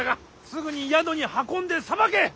すぐに宿に運んでさばけ！